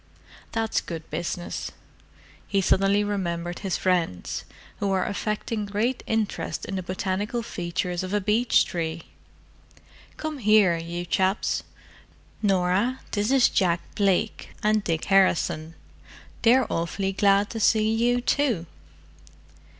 "That's good business." He suddenly remembered his friends, who were affecting great interest in the botanical features of a beech tree. "Come here, you chaps; Norah, this is Jack Blake—and Dick Harrison. They're awfully glad to see you, too!"